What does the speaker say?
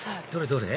どれ？